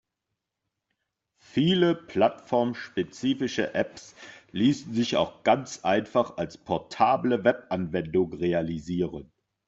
Viele plattformspezifische Apps ließen sich auch ganz einfach als portable Webanwendung realisieren.